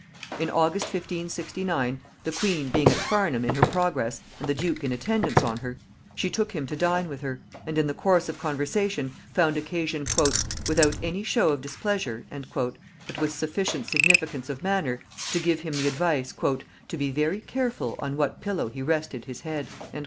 In August 1569, the queen being at Farnham in her progress and the duke in attendance on her, she took him to dine with her, and in the course of conversation found occasion, "without any show of displeasure," but with sufficient significance of manner, to give him the advice, "to be very careful on what pillow he rested his head."